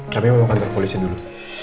tapi mau ke kantor polisi dulu